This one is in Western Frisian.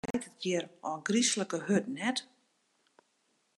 Wat waait it hjir ôfgryslike hurd, net?